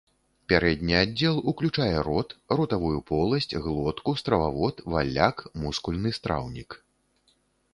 Пярэдні аддзел уключае рот, ротавую поласць, глотку, стрававод, валляк, мускульны страўнік.